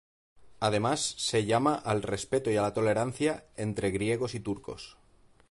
Además, se llama al respeto y a la tolerancia entre griegos y turcos.